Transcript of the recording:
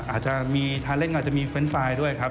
อาจจะมีทาเล่งอาจจะมีเฟรนด์ไฟล์ด้วยครับ